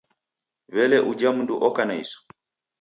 W'ele uja mundu oka na isu?